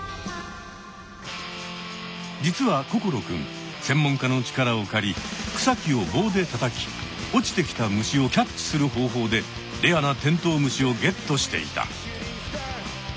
実は心くん専門家の力を借り草木を棒でたたき落ちてきた虫をキャッチする方法でレアなテントウムシをゲットしていた。